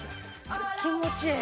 気持ちええ